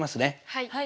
はい。